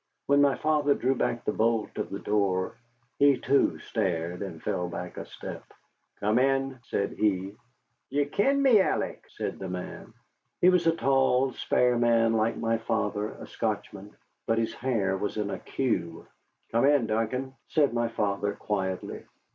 When my father drew back the bolt of the door he, too, stared and fell back a step. "Come in," said he. "D'ye ken me, Alec?" said the man. He was a tall, spare man like my father, a Scotchman, but his hair was in a cue. "Come in, Duncan," said my father, quietly.